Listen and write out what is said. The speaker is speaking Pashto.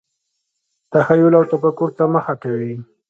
تخیل او تفکر ته مخه کوي.